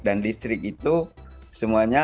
dan listrik itu semuanya